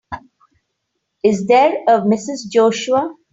Is there a Mrs. Joshua?